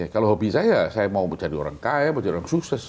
kalau hobi saya saya mau jadi orang kaya mau jadi orang sukses